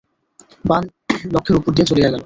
বাণ লক্ষ্যের উপর দিয়া চলিয়া গেল।